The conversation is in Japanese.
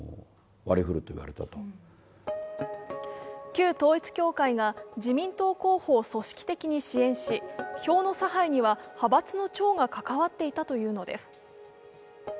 旧統一教会が自民党候補を組織的に支援し票の差配には派閥の長が関わっていたというのです。